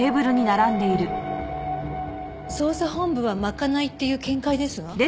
捜査本部は賄いっていう見解ですが。